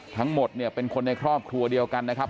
ทั้งหมดเนี่ยเป็นคนในครอบครัวเดียวกันนะครับ